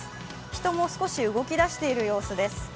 人も少し動きだしている様子です。